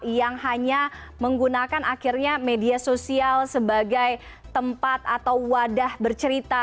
yang hanya menggunakan akhirnya media sosial sebagai tempat atau wadah bercerita